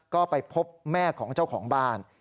ก็ไปพบแม่ของเจ้าของบ้าน